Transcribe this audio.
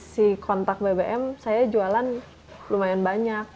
si kontak bbm saya jualan lumayan banyak